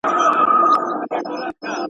دا د مشکو رباتونه خُتن زما دی.